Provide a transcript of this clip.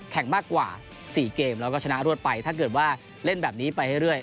มากกว่า๔เกมแล้วก็ชนะรวดไปถ้าเกิดว่าเล่นแบบนี้ไปเรื่อย